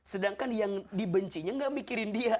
sedangkan yang dibencinya gak mikirin dia